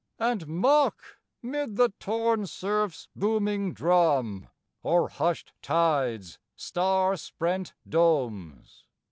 and mock 'Mid the torn surf's booming drum, Or hushed tide's star sprent domes!